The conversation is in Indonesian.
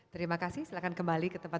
terima kasih silahkan kembali ke tempat